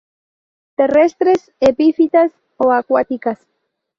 Terrestres, epífitas o acuáticas.